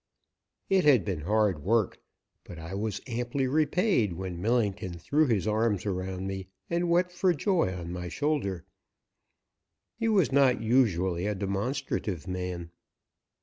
It had been hard work, but I was amply repaid when Millington threw his arms around me and wept for joy on my shoulder. He was not usually a demonstrative man.